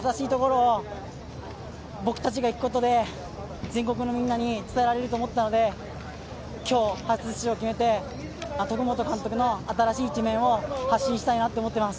僕たちが行くことで、全国のみんなに伝えられると思ったので今日初出場を決めて、徳本監督の新しい一面を発信したいと思っています。